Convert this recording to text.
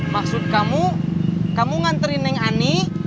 maksud kamu kamu nganterin yang ani